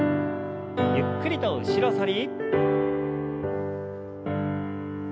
ゆっくりと後ろ反り。